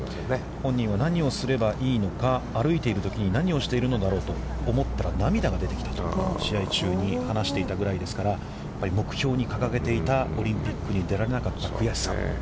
本人は何をすればいいのか、歩いているときに、何をしているのだろうと思ったら涙が出てきたと試合中に話していたぐらいですから、やっぱり目標に掲げていたオリンピックに出られなかった悔しさ。